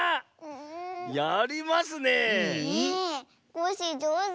コッシーじょうず。